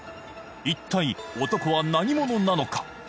一体男は何者なのか？